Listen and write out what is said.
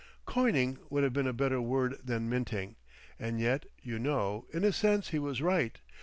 "Coining" would have been a better word than minting! And yet, you know, in a sense he was right.